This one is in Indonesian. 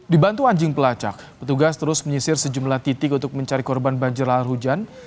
dibantu anjing pelacak petugas terus menyisir sejumlah titik untuk mencari korban banjir lahar hujan